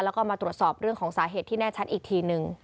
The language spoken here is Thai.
แล้วก็มาตรวจสอบเรื่องของสาเหตุที่แน่ชัดอีกทีนึง